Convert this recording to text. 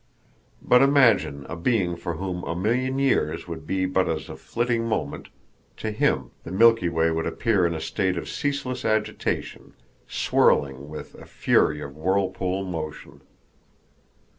But imagine a being for whom a million years would be but as a flitting moment; to him the Milky Way would appear in a state of ceaseless agitation—swirling with "a fury of whirlpool motion."